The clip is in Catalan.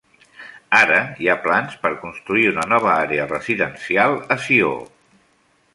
Ara hi ha plans per construir una nova àrea residencial a Sió.